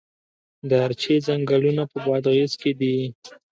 د ارچې ځنګلونه په بادغیس کې دي؟